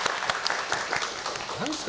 何ですか？